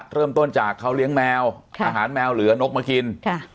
เริ่มต้นจากเขาเลี้ยงแมวอาหารแมวเหลือนกมากิน